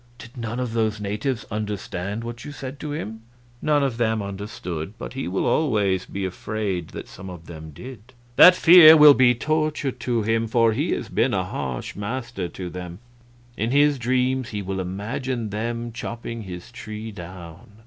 "Did none of those natives understand what you said to him?" "None of them understood, but he will always be afraid that some of them did. That fear will be torture to him, for he has been a harsh master to them. In his dreams he will imagine them chopping his tree down.